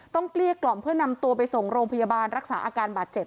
เกลี้ยกล่อมเพื่อนำตัวไปส่งโรงพยาบาลรักษาอาการบาดเจ็บ